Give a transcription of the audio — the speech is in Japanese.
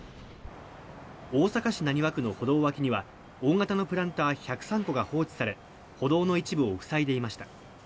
大阪市浪速区の歩道脇には大型のプランター１０３個が放置され歩道の一部を塞いでいました。